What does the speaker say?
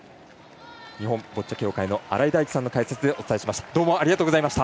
日本ボッチャ協会の新井大基さんの解説でお伝えしました。